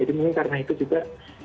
jadi mungkin karena itu juga